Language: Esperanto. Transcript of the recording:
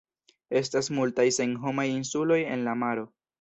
Estas multaj senhomaj insuloj en la maro.